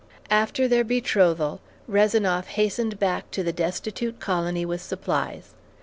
After their betrothal, Rezanoff hastened back to the destitute colony with supplies.